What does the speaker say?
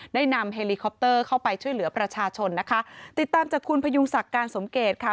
ได้นำเฮลิคอปเตอร์เข้าไปช่วยเหลือประชาชนนะคะติดตามจากคุณพยุงศักดิ์การสมเกตค่ะ